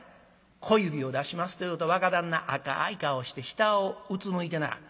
小指を出しますというと若旦那赤い顔して下をうつむいてなはる。